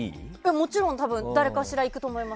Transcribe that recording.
もちろん誰かしら行くと思います。